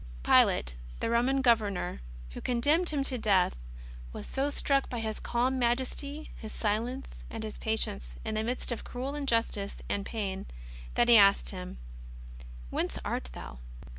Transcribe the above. Pilate, the Roman Governor who condemned Him to death, was so struck by His calm majesty, His silence, ^ and His patience in the midst of cruel injustice and pain, that he asked Him :" Whence art Thou